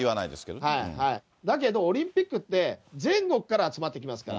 だけどオリンピックって、全国から集まってきますから。